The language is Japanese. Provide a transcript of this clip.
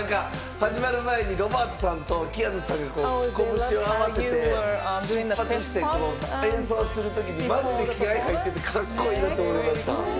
始まる前にロバートさんとキアヌさんが拳を合わせて、演奏するときにマジ、気合入っててカッコいいなと思いました。